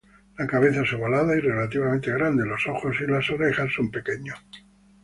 La cabeza es ovalada y relativamente grande; los ojos y orejas son pequeños.